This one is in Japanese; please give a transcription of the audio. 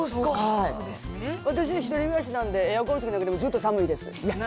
私、１人暮らしなんで、エアコンつけなくても、ずっと寒いです。